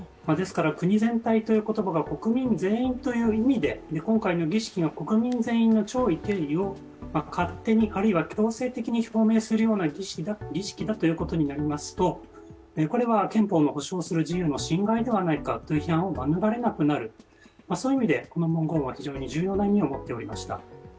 国全体という言葉が、国民全員という意味で今回の儀式が国民全員の弔意・敬意を勝手に、あるいは強制的に表明するような儀式だということになりますと、これは憲法の保障する自由の侵害ではないかという批判を免れなくなる、そういう意味でこの文言は非常に重要な意味を持っていました。